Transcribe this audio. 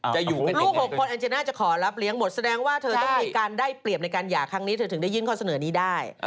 จะอยู่กันอย่างไรกันเนี่ยอัลเจน่าจะขอรับเลี้ยงหมดแสดงว่าเธอต้องมีการได้เปรียบในการหย่าครั้งนี้เธอถึงได้ยินข้อเสนอนี้ได้